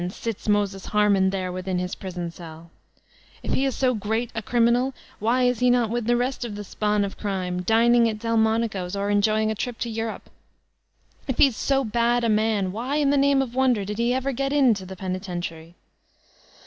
Sits Moses Harman there within his prison cell ? If he b so great a criminal, why is he not with the rest of the spawn of crime, dining at Delmonico's or enjoying a trip to Europe? If he is so bad a man, why in the name of wonder did he ever get in the penitentiary?